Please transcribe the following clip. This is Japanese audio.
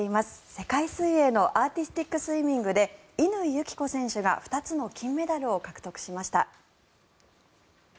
世界水泳のアーティスティックスイミングで乾友紀子選手が２つの金メダルを獲得しました。